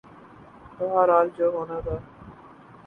بہرحال جو ہونا تھا۔